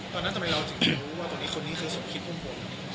ตอนนั้นทำไมเราจะรู้ว่ากับอีฟคานี่คือสนคิดของคุณ